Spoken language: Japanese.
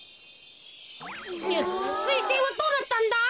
すいせいはどうなったんだ？